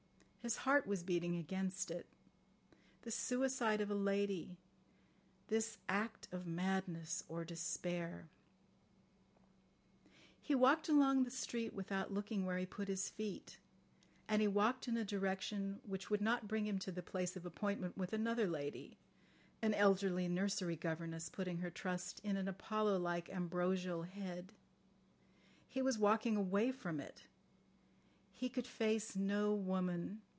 His heart was beating against it. The suicide of a lady—this act of madness or despair. He walked along the street without looking where he put his feet; and he walked in a direction which would not bring him to the place of appointment with another lady (an elderly nursery governess putting her trust in an Apollo like ambrosial head). He was walking away from it. He could face no woman.